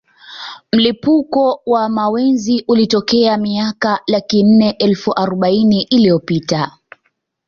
Mlipuko wa mawenzi ulitokea miaka laki nne elfu aroubaini iliyopita